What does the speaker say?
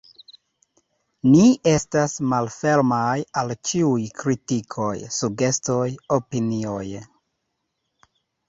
Ni estas malfermaj al ĉiuj kritikoj, sugestoj, opinioj.